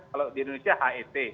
kalau di indonesia het